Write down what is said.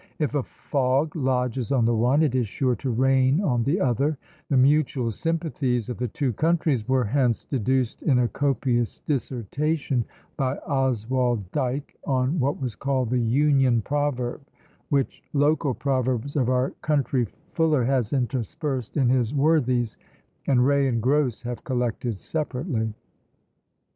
If a fog lodges on the one, it is sure to rain on the other; the mutual sympathies of the two countries were hence deduced in a copious dissertation, by Oswald Dyke, on what was called "The Union proverb," which local proverbs of our country Fuller has interspersed in his "Worthies," and Ray and Grose have collected separately.